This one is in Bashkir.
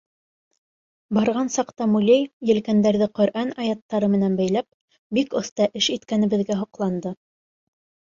Барған саҡта Мулей, елкәндәрҙе Ҡөрьән аяттары менән бәйләп, бик оҫта эш иткәнебеҙгә һоҡланды.